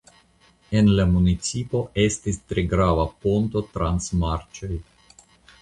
En la municipo estis tre grava ponto trans marĉoj.